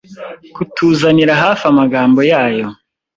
Kutuzanira hafi amagambo yayo